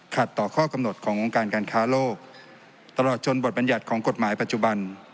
ต่อข้อกำหนดของวงการการค้าโลกตลอดจนบทบัญญัติของกฎหมายปัจจุบัน